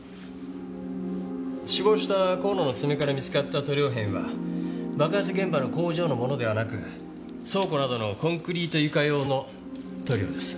死亡した甲野の爪から見つかった塗料片は爆発現場の工場のものではなく倉庫などのコンクリート床用の塗料です。